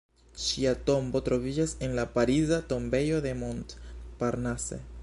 Ŝia tombo troviĝas en la Pariza Tombejo de Montparnasse.